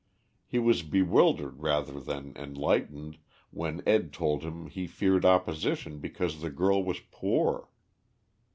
He was bewildered rather than enlightened when Ed. told him he feared opposition because the girl was poor.